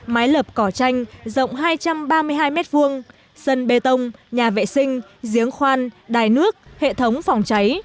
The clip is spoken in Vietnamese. mái lập cỏ tranh rộng hai trăm ba mươi hai m hai sân bê tông nhà vệ sinh giếng khoan đài nước hệ thống phòng cháy